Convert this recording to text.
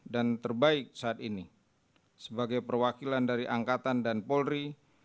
dan terbaik saat ini sebagai perwakilan dari angkatan dan polri